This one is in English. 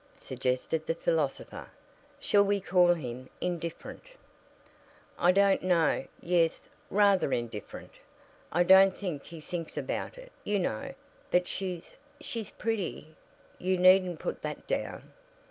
suggested the philosopher. "Shall we call him indifferent?" "I don't know. Yes, rather indifferent. I don't think he thinks about it, you know. But she she's pretty. You needn't put that down."